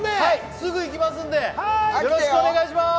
すぐ行きますんで、よろしくお願いします！